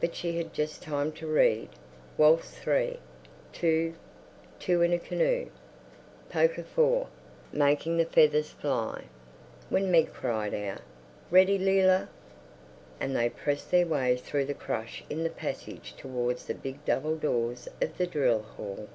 but she had just time to read: "Waltz 3. Two, Two in a Canoe. Polka 4. Making the Feathers Fly," when Meg cried, "Ready, Leila?" and they pressed their way through the crush in the passage towards the big double doors of the drill hall.